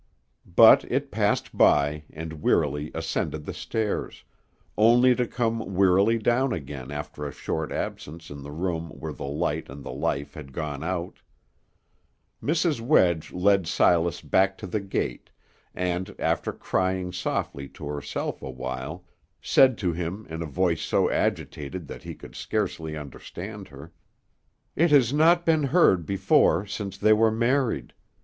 But it passed by, and wearily ascended the stairs, only to come wearily down again after a short absence in the room where the light and the life had gone out. Mrs. Wedge led Silas back to the gate, and, after crying softly to herself awhile, said to him in a voice so agitated that he could scarcely understand her, "It has not been heard before since they were married.